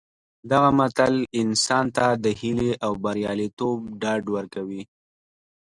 دغه متل انسان ته د هیلې او بریالیتوب ډاډ ورکوي